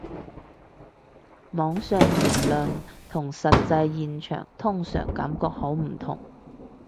網上言論同實際現場通常感覺好唔同